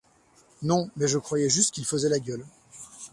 Non, mais je croyais juste qu’il faisait la gueule…